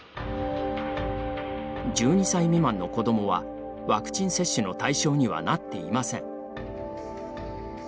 １２歳未満の子どもはワクチン接種の対象にはなっていません。